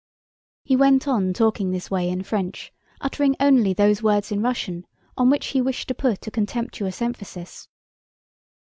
He went on talking in this way in French, uttering only those words in Russian on which he wished to put a contemptuous emphasis.